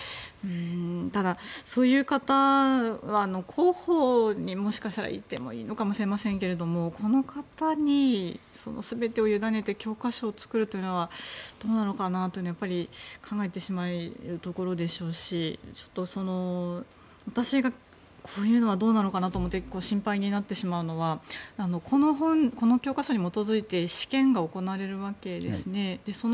ただ、そういう方は広報にもしかしたらいてもいいのかもしれませんけどこの方に全てを委ねて教科書を作るというのはどうなのかなと考えてしまうところでしょうしちょっと、私がこういうのはどうなのかなと思って心配になってしまうのはこの教科書に基づいて試験が行われるわけですね。